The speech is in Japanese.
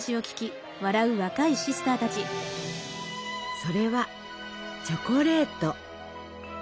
それはチョコレート。